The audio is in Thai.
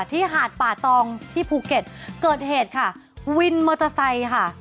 ที่หาดป่าตองที่ภูเก็ตเกิดเหตุค่ะวินเมอร์ทอสไตรค่ะ